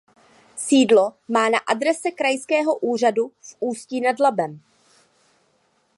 Sídlo má na adrese krajského úřadu v Ústí nad Labem.